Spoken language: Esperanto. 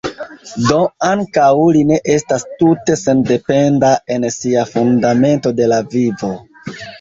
Do ankaŭ li ne estas tute sendependa en sia fundamento de la vivo.